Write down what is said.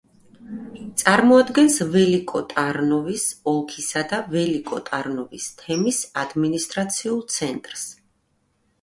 წარმოადგენს ველიკო-ტარნოვოს ოლქისა და ველიკო-ტარნოვოს თემის ადმინისტრაციულ ცენტრს.